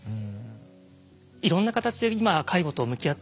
いろんな形で今介護と向き合ってる方